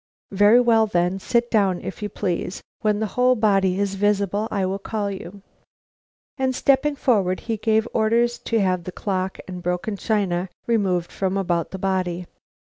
"Very well, then, sit down, if you please. When the whole body is visible I will call you." And stepping forward he gave orders to have the clock and broken china removed from about the body.